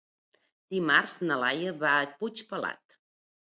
Dimarts na Laia va a Puigpelat.